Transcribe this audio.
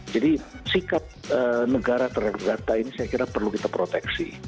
jadi sikap negara terhadap data ini saya kira perlu kita proteksi